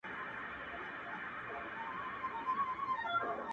غواړم چي ديدن د ښكلو وكړمـــه.